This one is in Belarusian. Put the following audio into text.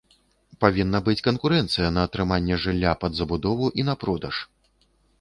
Павінна быць канкурэнцыя на атрыманне жылля пад забудову і на продаж.